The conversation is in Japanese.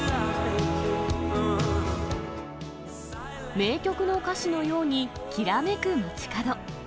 名曲の歌詞のように、きらめく街角。